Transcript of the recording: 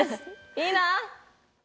いいな！